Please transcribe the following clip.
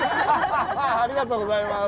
ありがとうございます！